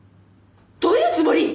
どういうつもり！？